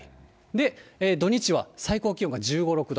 で、土日は最高気温が１５、６度。